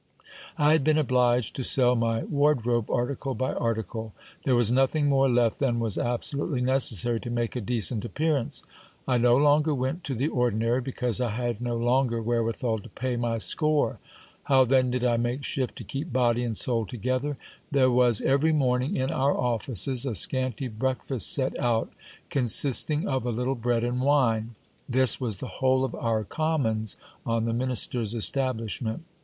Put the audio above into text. I had been obliged to sell my ward robe article by article. There was nothing more left than was absolutely neces sary to make a decent appearance. I no longer went to the ordinary, because I had no longer wherewithal to pay my score. How then did I make shift to keep body and soid together ? There was every morning, in our offices, a scanty breakfast set out, consisting of a little bread and wine ; this was the whole of our commons on the minister's establishment.